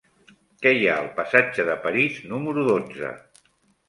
Què hi ha al passatge de París número dotze?